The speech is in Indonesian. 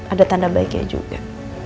ada tanda baiknya juga